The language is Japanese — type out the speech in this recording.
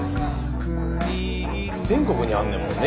全国にあんねんもんね